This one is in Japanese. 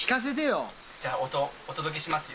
じゃあ、音、お届けしますよ。